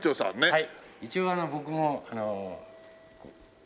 はい。